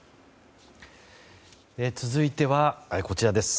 続いては、こちらです。